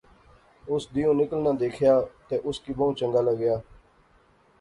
اُس دیہوں نکلنا دیخیا تے اُس کی بہوں چنگا لغیا